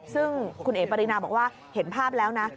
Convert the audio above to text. ซึ่งคุณเอ๋ปรินาบอกว่าเห็นภาพแล้วนะ